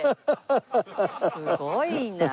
すごいな。